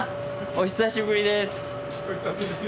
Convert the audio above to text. お久しぶりです。